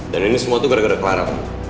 dan ini semua itu gara gara clara